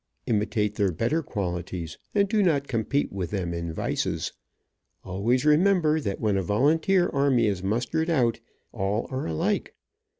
Imitate their better qualities, and do not compete with them in vices. Always remember that when a volunteer army is mustered out, all are alike.